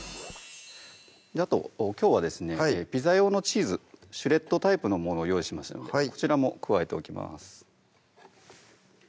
あときょうはですねピザ用のチーズシュレッドタイプのもの用意しましたのでこちらも加えておきます